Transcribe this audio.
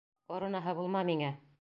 Оронаһы булма миңә.